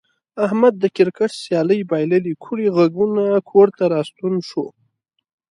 احمد د کرکټ سیالي بایللې کوړی غوږونه کور ته راستون شو.